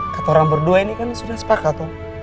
katorang berdua ini kan sudah sepakat